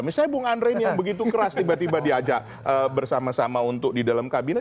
misalnya bung andre ini yang begitu keras tiba tiba diajak bersama sama untuk di dalam kabinet